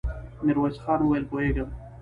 ميرويس خان وويل: پوهېږم.